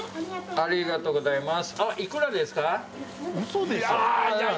ありがとうございます。